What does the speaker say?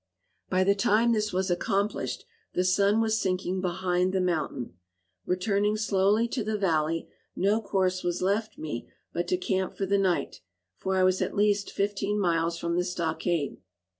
By the time this was accomplished, the sun was sinking behind the mountain. Returning slowly to the valley, no course was left me but to camp for the night, for I was at least fifteen miles from the stockade.